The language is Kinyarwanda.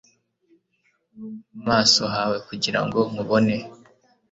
maso hawe kugira ngo nkubone